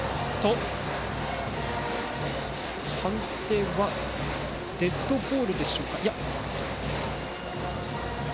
判定はデッドボールでしょうか。